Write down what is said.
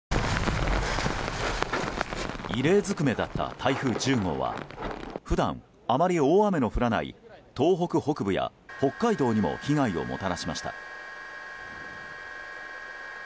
異例づくめだった台風１０号は普段、あまり大雨の降らない東北北部や北海道にも被害をもたらしました。